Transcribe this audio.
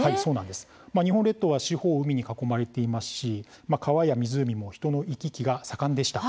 日本列島は四方を海に囲まれていますし川や湖も人の行き来が盛んでした。